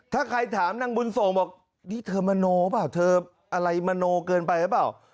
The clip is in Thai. ถ้าใครถามนางบุญส่งบอกนี่เธอมโนเปล่าเธออะไรมโนเกินไปหรือเปล่า